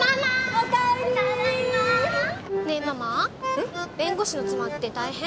おかえりねえママ弁護士の妻って大変？